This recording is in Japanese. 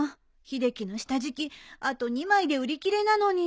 秀樹の下敷きあと２枚で売り切れなのに。